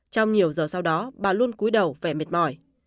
trong nhiều giờ sau đó bà luôn cúi đầu phải mệt mỏi